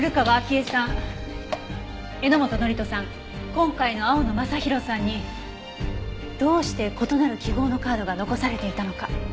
今回の青野昌弘さんにどうして異なる記号のカードが残されていたのか。